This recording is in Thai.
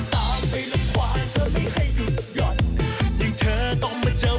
แกวนไปดีกว่าแกวนไปด้วยชอบต่อพ่อด้วย